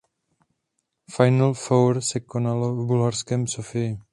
Final Four se konalo v bulharské Sofii.